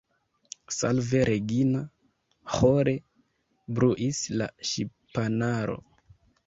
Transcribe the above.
« Salve Regina » ĥore bruis la ŝipanaro.